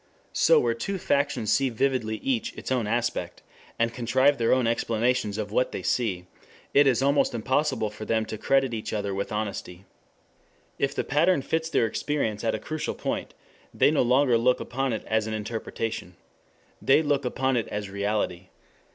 So where two factions see vividly each its own aspect, and contrive their own explanations of what they see, it is almost impossible for them to credit each other with honesty. If the pattern fits their experience at a crucial point, they no longer look upon it as an interpretation. They look upon it as "reality."